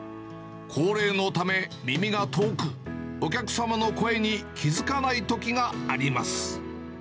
高齢のため、耳が遠く、お客様の声に気付かないときがあります。